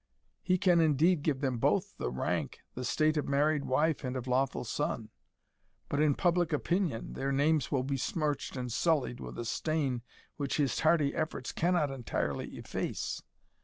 He can indeed give them both the rank, the state of married wife and of lawful son; but, in public opinion, their names will be smirched and sullied with a stain which his tardy efforts cannot entirely efface.